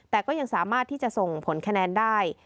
แต่ก็ยังสามารถที่จะส่งผลคะแนนได้